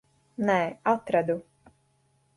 Nē, atradu.